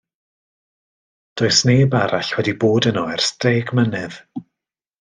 Does neb arall wedi bod yno ers deg mlynedd.